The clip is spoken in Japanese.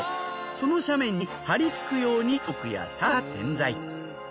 その斜面に張り付くように家屋や田畑が点在。